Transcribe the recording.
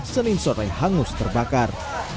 senin sore hangus terbakar